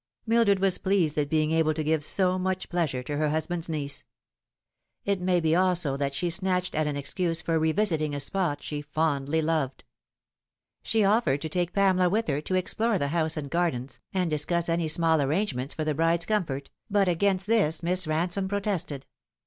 Mildred was pleased at being able to give so much plea sure to her husband's niece. It may be also that she snatched at an excuse for revisiting a spot she fondly loved. She offered to take Pamela with her, to explore the house and gardens, and discuss any small arrangements for the bride's comfort, but against this Miss Ransome protested.